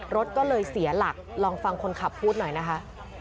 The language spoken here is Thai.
รถก็เลยเสียหลักลองฟังคนขับพูดหน่อยนะคะ